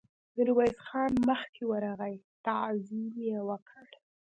ميرويس خان مخکې ورغی، تعظيم يې وکړ.